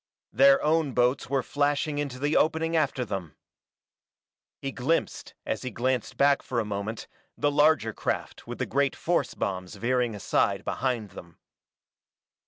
Their own boats were flashing into the opening after them. He glimpsed as he glanced back for a moment the larger craft with the great force bombs veering aside behind them.